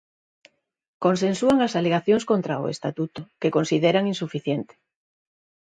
Consensúan as alegacións contra o estatuto, que consideran insuficiente.